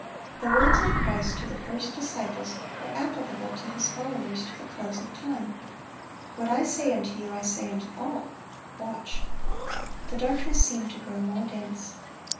The words of Christ to the first disciples are applicable to His followers to the close of time: "What I say unto you I say unto all, Watch."(89) The darkness seemed to grow more dense.